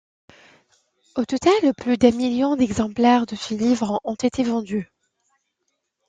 Au total, plus d’un million d’exemplaires de ce livre ont été vendus.